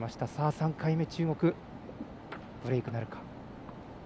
３回目、中国ブレークなるか。